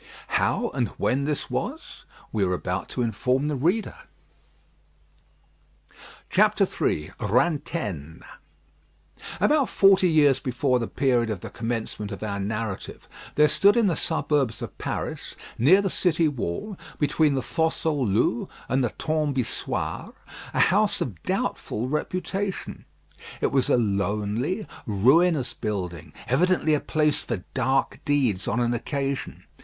How and when this was, we are about to inform the reader. FOOTNOTES: Genesis, chap. iii. v. 16. Genesis, chap. i. v. 4. III RANTAINE About forty years before the period of the commencement of our narrative, there stood in the suburbs of Paris, near the city wall, between the Fosse aux Loups and the Tombe Issoire, a house of doubtful reputation. It was a lonely, ruinous building, evidently a place for dark deeds on an occasion.